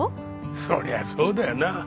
そりゃそうだよな。